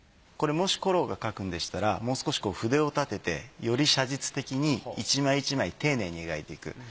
これもしコローが描くんでしたらもう少し筆を立ててより写実的に一枚一枚丁寧に描いていく。